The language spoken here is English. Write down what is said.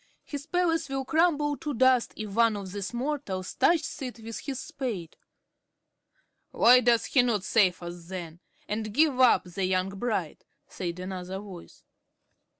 His palace will crumble to dust, if one of these mortals touches it with his spade." "Why does he not save us then, and give up the young bride?" said another voice.